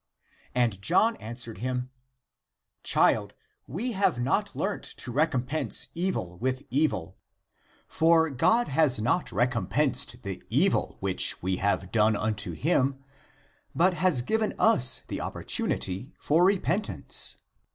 And John an swered him, " Child, we have not learnt to recom pense evil with evil. For God has not recom pensed the evil which we have done unto him, but has given us (the opportunity for) repentance.